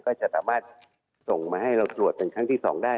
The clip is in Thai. ก็จะสามารถส่งมาให้เราโดมทำต้องพุนตัวของสวม